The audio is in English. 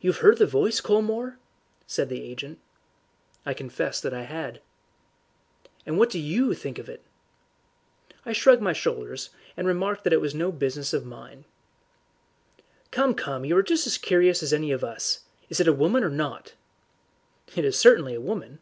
"You've heard the voice, Colmore?" said the agent. I confessed that I had. "And what do YOU think of it?" I shrugged my shoulders, and remarked that it was no business of mine. "Come, come, you are just as curious as any of us. Is it a woman or not?" "It is certainly a woman."